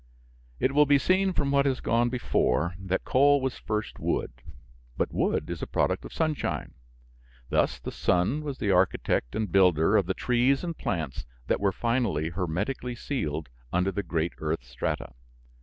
It will be seen from what has gone before that coal was first wood. But wood is a product of sunshine. Thus the sun was the architect and builder of the trees and plants that were finally hermetically sealed under the great earth strata.